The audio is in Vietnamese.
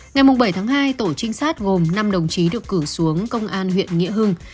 ngày bảy tháng hai tổ trinh sát gồm năm đồng chí được cử xuống công an huyện nghĩa hưng